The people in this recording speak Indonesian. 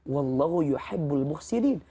wallahu yuhibbul muhsinin